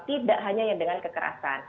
tidak hanya yang dengan kekerasan